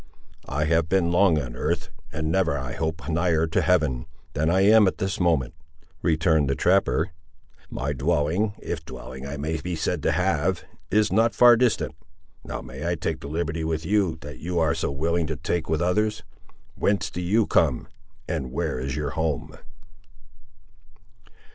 "I have been long on earth, and never I hope nigher to heaven, than I am at this moment," returned the trapper; "my dwelling, if dwelling I may be said to have, is not far distant. Now may I take the liberty with you, that you are so willing to take with others? Whence do you come, and where is your home?"